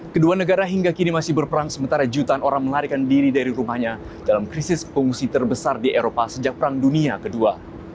kedua negara hingga kini masih berperang sementara jutaan orang melarikan diri dari rumahnya dalam krisis pengungsi terbesar di eropa sejak perang dunia ii